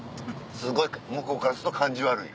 すごい向こうからすると感じ悪い。